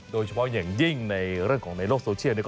โดยเฉพาะอย่างยิ่งในเรื่องของในโลกโซเชียล